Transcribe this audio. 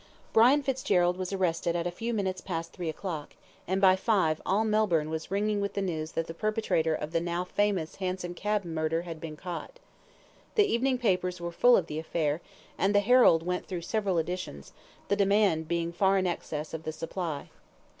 Brian Fitzgerald was arrested at a few minutes past three o'clock, and by five all Melbourne was ringing with the news that the perpetrator of the now famous hansom cab murder had been caught. The evening papers were full of the affair, and the HERALD went through several editions, the demand being far in the excess of the supply.